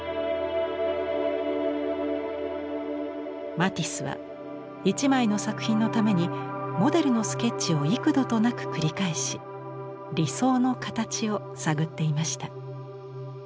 マティスは一枚の作品のためにモデルのスケッチを幾度となく繰り返し理想の形を探っていました。